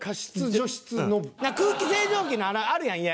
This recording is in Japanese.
空気清浄機のあれあるやん家。